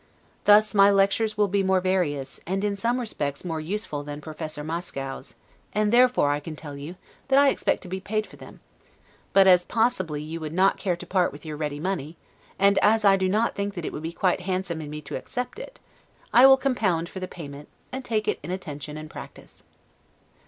Thus, my lectures will be more various, and in some respects more useful than Professor Mascow's, and therefore, I can tell you, that I expect to be paid for them; but, as possibly you would not care to part with your ready money, and as I do not think that it would be quite handsome in me to accept it, I will compound for the payment, and take it in attention and practice.